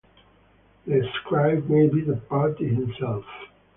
The scribe may be the party himself.